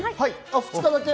２日だけ？